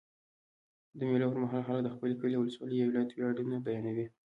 د مېلو پر مهال خلک د خپل کلي، اولسوالۍ یا ولایت ویاړونه بیانوي.